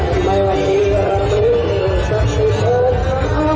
กลับไปเลยค่ะใกล้แล้วกันที่นี่